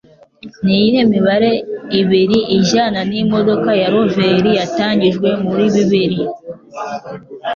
Niyihe mibare ibiri ijyana n'imodoka ya Rover yatangijwe muri bibiri